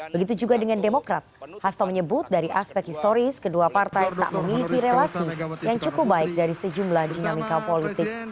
begitu juga dengan demokrat hasto menyebut dari aspek historis kedua partai tak memiliki relasi yang cukup baik dari sejumlah dinamika politik